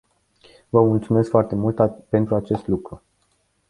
Vă mulțumesc foarte mult pentru acest lucru.